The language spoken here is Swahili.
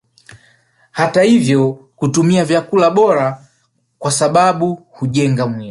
Hata ivyo kutumia vyakula bora kwasababu ujenga mwili